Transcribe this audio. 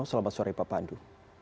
selamat sore pak pandu